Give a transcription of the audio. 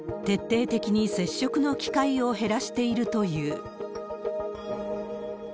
徹底的に接触の機会を減らしているという。